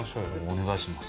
お願いします。